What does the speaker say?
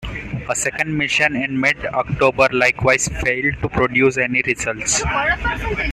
A second mission in mid-October likewise failed to produce any results.